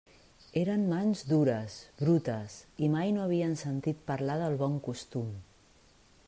Eren mans dures, brutes, i mai no havien sentit parlar del bon costum.